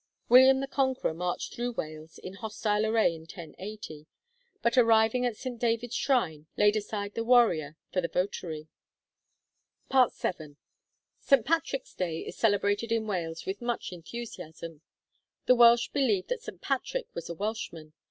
William the Conqueror marched through Wales in hostile array in 1080, but arriving at St. David's shrine laid aside the warrior for the votary. FOOTNOTE: 'Cambro British Saints,' 402, etc. VII. St. Patrick's Day is celebrated in Wales with much enthusiasm. The Welsh believe that St. Patrick was a Welshman.